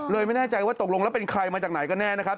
ไม่แน่ใจว่าตกลงแล้วเป็นใครมาจากไหนกันแน่นะครับ